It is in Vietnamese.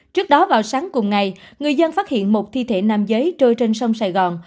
trước đó vào sáng cùng ngày người dân phát hiện một thi thể nam giới trôi trên sông sài gòn